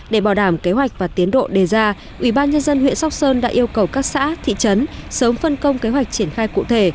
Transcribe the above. để bảo đảm kế hoạch và tiến độ đề ra ubnd huyện sóc sơn đã yêu cầu các xã thị trấn sớm phân công kế hoạch triển khai cụ thể